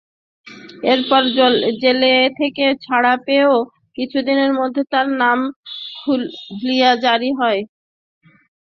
এরপর জেল থেকে ছাড়া পেলেও কিছুদিনের মধ্যে তাঁর নামে হুলিয়া জারি হয়।